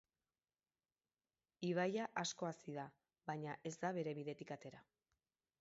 Ibaia asko hazi da, baina ez da bere bidetik atera.